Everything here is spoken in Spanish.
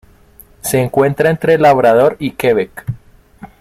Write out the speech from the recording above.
Se encuentra entre Labrador y Quebec.